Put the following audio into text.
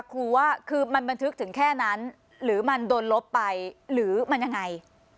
ครูว่าคือมันบันทึกถึงแค่นั้นหรือมันโดนลบไปหรือมันยังไง